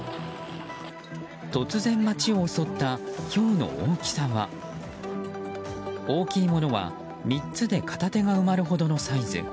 突然街を襲ったひょうの大きさは大きいものは３つで片手が埋まるほどのサイズ。